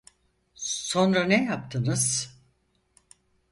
Sonra ne yaptınız?